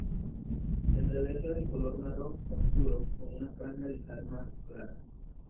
El reverso es de color marrón oscuro con una franja distal más clara.